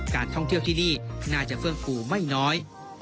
การท่องเที่ยวที่นี่น่าจะเฟื่องฟูไม่น้อย